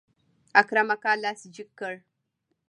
اکرم اکا لاس جګ کړ.